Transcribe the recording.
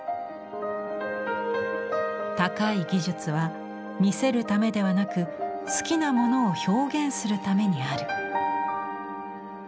高い技術は見せるためではなく好きなものを表現するためにある。